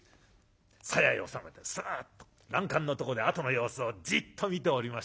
さやへ収めてすっと欄干のとこであとの様子をじっと見ておりまし